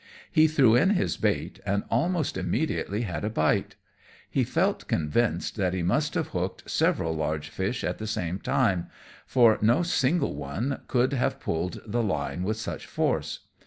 He threw in his bait, and almost immediately had a bite. He felt convinced that he must have hooked several large fish at the same time, for no single one could have pulled the line with such force.